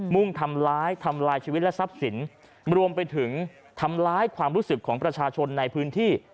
มุ่งทำร้ายทำลายชีวิตและทรัพย์สินรวมไปถึงทำร้ายความรู้สึกของประชาชนในพื้นที่